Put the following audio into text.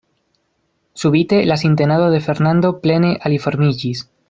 Subite la sintenado de Fernando plene aliformiĝis.